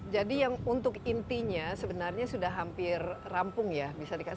jadi yang untuk intinya sebenarnya sudah hampir rampung ya bisa dibilang